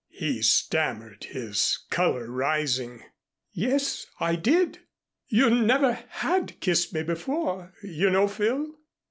he stammered, his color rising. "Yes, I did. You never had kissed me before, you know, Phil."